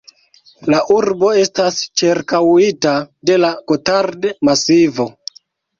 La urbo estas ĉirkaŭita de la Gotard-Masivo.